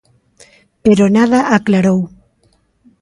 Pero nada aclarou.